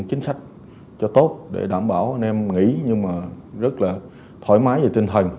thực hiện chính sách cho tốt để đảm bảo anh em nghỉ nhưng mà rất là thoải mái và tinh thần